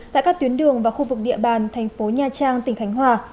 tại các tuyến đường và khu vực địa bàn tp nha trang tỉnh khánh hòa